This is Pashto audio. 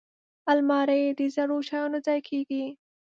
الماري د زړو شیانو ځای کېږي